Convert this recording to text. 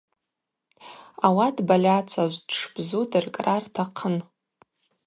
Ауат Бальацажв дшбзу дыркӏра ртахъын.